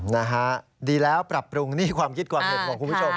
นะฮะดีแล้วปรับปรุงนี่ความคิดความเห็นของคุณผู้ชม